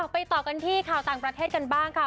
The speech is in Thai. ไปต่อกันที่ข่าวต่างประเทศกันบ้างค่ะ